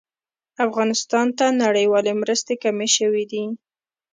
افغانستان ته نړيوالې مرستې کمې شوې دي